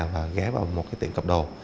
và ghé vào một tiệm cập đồ